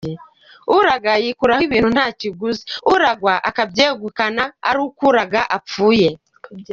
Uraga yikuraho ibintu nta kiguzi, uragwa akabyegukana ari uko uraga apfuye.